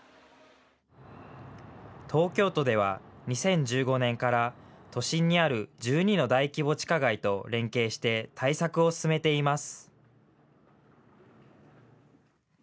東京都では２０１５年から都心にある１２の大規模地下街と連携して対策を進めています。